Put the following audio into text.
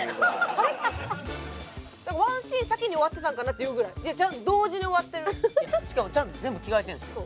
ワンシーン先に終わってたんかなっていうぐらいいや同時に終わってるしかもちゃんと全部着替えてるんすよ